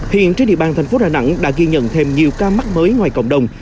hiện trên địa bàn thành phố đà nẵng đã ghi nhận thêm nhiều ca mắc mới ngoài cộng đồng